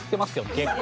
結構。